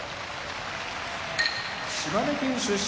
島根県出身